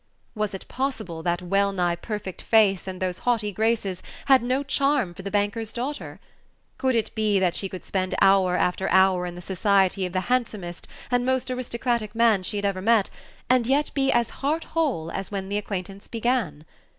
Was it possible that wellnigh perfect face and those haughty graces had no charm for the banker's daughter? Could it be that she could spend hour after hour in the society of the handsomest and most aristocratic man she had ever met, and Page 24 yet be as heart whole as when the acquaintance began?